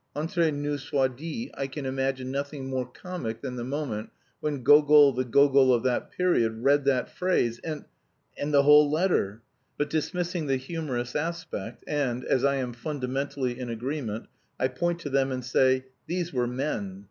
Entre nous soit dit, I can imagine nothing more comic than the moment when Gogol (the Gogol of that period!) read that phrase, and... the whole letter! But dismissing the humorous aspect, and, as I am fundamentally in agreement, I point to them and say these were men!